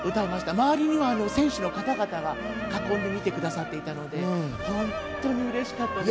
周りにも選手の方々が囲んで見てくださっていたので、本当にうれしかったです。